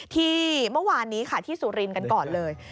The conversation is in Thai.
ที่เมื่อวานนี้ค่ะที่สุรินทร์กันก่อนเลย